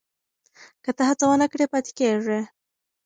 که ته هڅه ونه کړې پاتې کېږې.